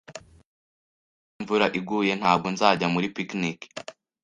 Niba ejo imvura iguye, ntabwo nzajya muri picnic.